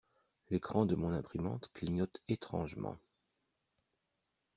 L'écran de mon imprimante clignote étrangement.